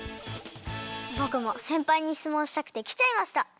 ぼくもせんぱいにしつもんしたくてきちゃいました！